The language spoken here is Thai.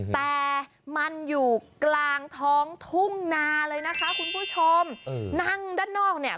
แต่มันอยู่กลางท้องทุ่งนาเลยนะคะคุณผู้ชมนั่งด้านนอกเนี่ย